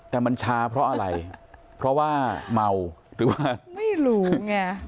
แต่มันช้าเพราะอะไรเพราะว่าเมาหรือว่าไม่รู้ไง